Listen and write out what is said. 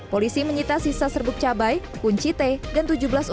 polisi menyita sisa serbuk cabai kunci teh dan tujuan perang